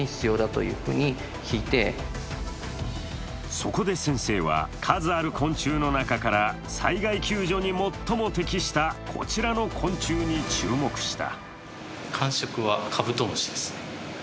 そこで先生は、数ある昆虫の中から災害救助に最も適したこちらの昆虫に注目した。